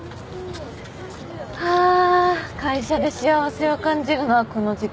はぁ会社で幸せを感じるのはこの時間だけです。